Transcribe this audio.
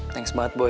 thanks banget boy